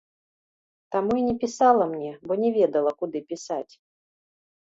Таму і не пісала мне, бо не ведала, куды пісаць.